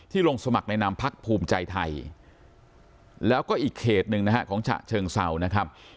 ลงสมัครในนามพักภูมิใจไทยแล้วก็อีกเขตหนึ่งนะฮะของฉะเชิงเศร้านะครับ